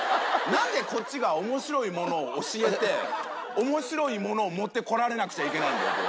なんでこっちが面白いものを教えて面白いものを持ってこられなくちゃいけないんだよ。